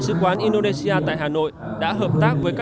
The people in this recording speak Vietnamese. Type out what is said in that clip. trong nhiều vùng khác như học học